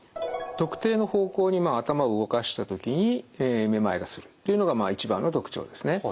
特定の方向に頭を動かしたときにめまいがするというのが一番の特徴ですね。